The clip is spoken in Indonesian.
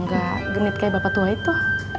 gak genit kayak bapak tua itu